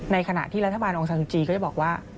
ในขณะที่รัฐบาลองซานซุนจีก็จะบอกว่า